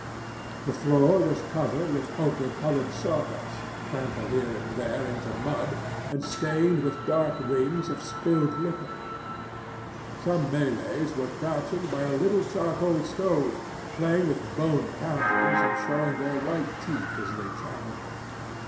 The floor was covered with ochre coloured sawdust, trampled here and there into mud, and stained with dark rings of spilled liquor. Some Malays were crouching by a little charcoal stove, playing with bone counters and showing their white teeth as they chattered.